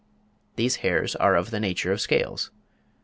These hairs are of the nature of scales.